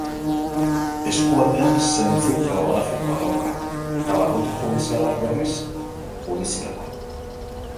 Eskualdeak zentzu geografikoa dauka eta barruti judizialak, berriz, judiziala.